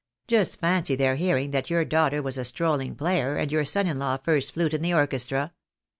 Just fancy their hearing that your daughter was a stroUing player, and your son in law first flute in the orchestra